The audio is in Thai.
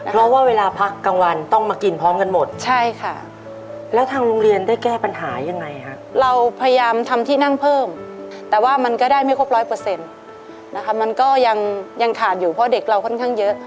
เพราะว่าเวลาพักกลางวันต้องมากินพร้อมกันหมดใช่ค่ะแล้วทางโรงเรียนได้แก้ปัญหายังไงฮะเราพยายามทำที่นั่งเพิ่มแต่ว่ามันก็ได้ไม่ครบร้อยเปอร์เซ็นต์นะคะมันก็ยังขาดอยู่เพราะเด็กเราค่อนข้างเยอะ